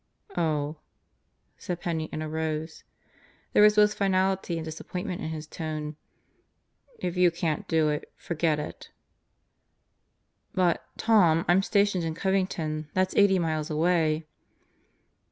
..." "Oh," said Penney and arose. There was both finality and disappointment in his tone. "If you can't do it, forget it." "But, Tom, I'm stationed in Covington. That's eighty miles away."